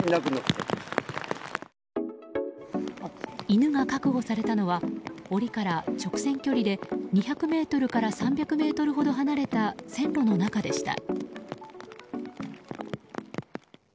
犬が確保されたのは、檻から直線距離で２００ｍから３００ｍほど離れた線路の中でした。